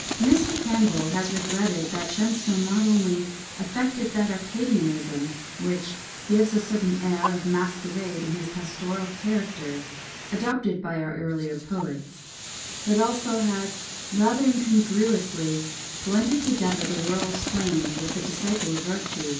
Mr. Campbell has regretted that Shenstone not only "affected that arcadianism" which "gives a certain air of masquerade in his pastoral character," adopted by our earlier poets, but also has "rather incongruously blended together the rural swain with the disciple of virtù."